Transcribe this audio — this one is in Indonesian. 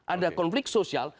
ada konflik sosial